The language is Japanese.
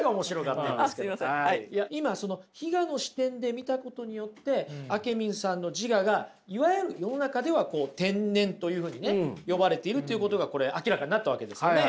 今その非我の視点で見たことによってあけみんさんの自我がいわゆる世の中ではこう天然というふうにね呼ばれているということがこれ明らかになったわけですよね。